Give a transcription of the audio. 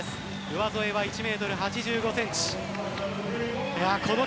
上背は１ｍ８５ｃｍ。